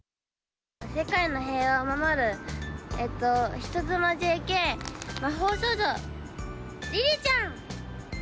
世界の平和を守るえっと、人妻ＪＫ魔法少女りりちゃん！